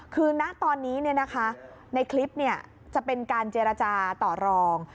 คือณตอนนี้ในคลิปจะเป็นการเจรจาต่อรอง